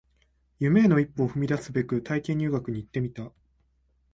夢への一歩を踏み出すべく体験入学に行ってみた